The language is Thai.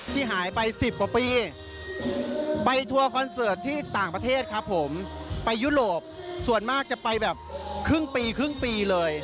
ที่หายไป๑๐กว่าปีไปทัวร์คอนเสิร์ตที่ต่างประเทศครับผมไปยุโรปส่วนมากจะไปแบบครึ่งปีครึ่งปีเลย